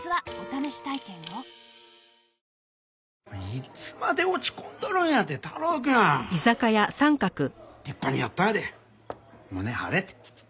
いつまで落ち込んどるんやて太郎くん！立派にやったんやで胸張れて！